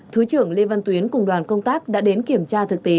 thứ trưởng lê văn tuyến cùng đoàn công tác đã đến kiểm tra thực tế